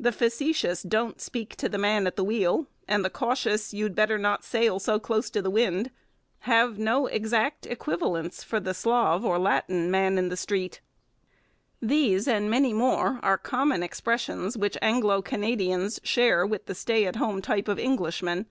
The facetious 'don't speak to the man at the wheel' and the cautious 'you'd better not sail so close to the wind' have no exact equivalents for the Slav or Latin man in the street. These, and many more, are common expressions which Anglo Canadians share with the stay at home type of Englishman.